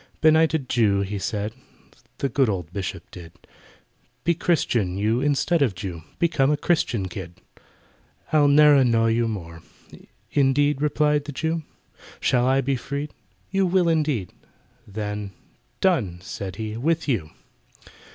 "Benighted Jew," he said (The good old Bishop did), "Be Christian, you, instead of Jew— Become a Christian kid! "I'll ne'er annoy you more." "Indeed?" replied the Jew; "Shall I be freed?" "You will, indeed!" Then "Done!" said he, "with you!"